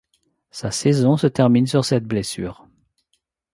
Sa saison se termine sur cette blessure.